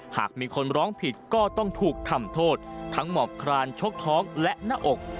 หากมีคนร้องผิดก็ต้องถูกทำโทษทั้งหมอบคลานชกท้องและหน้าอก